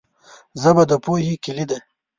ژبه د پوهې کلي ده